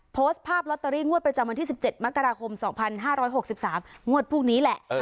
โพสต์ภาพลอตเตอรี่งวดประจำวันที่๑๗มกราคม๒๕๖๓งวดพรุ่งนี้แหละ